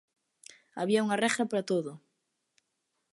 Había unha regra para todo.